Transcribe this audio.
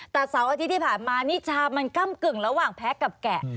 แต่เสาร์อาทิตย์ที่ผ่านมานิชามันก้ำกึ่งระหว่างแพ้กับแกะ